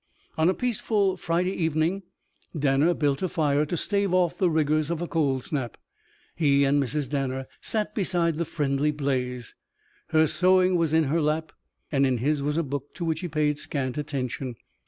On a peaceful Friday evening Danner built a fire to stave off the rigours of a cold snap. He and Mrs. Danner sat beside the friendly blaze. Her sewing was in her lap, and in his was a book to which he paid scant attention.